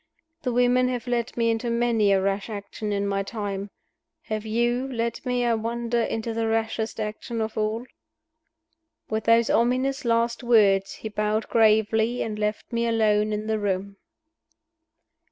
"The women have led me into many a rash action in my time. Have you led me, I wonder, into the rashest action of all?" With those ominous last words he bowed gravely and left me alone in the room.